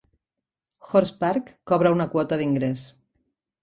Horse Park cobra una quota d'ingrés.